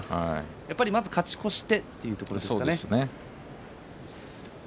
やっぱり、まず勝ち越してというところですかね。